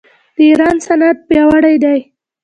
د ایران صنعت پیاوړی دی.